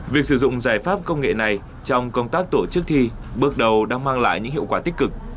việc sử dụng giải pháp công nghệ này trong công tác tổ chức thi bước đầu đã mang lại những hiệu quả tích cực